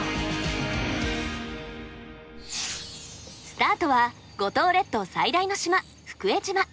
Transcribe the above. スタートは五島列島最大の島福江島。